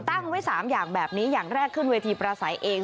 ตั้งไว้๓อย่างแบบนี้อย่างแรกขึ้นเวทีประสัยเอง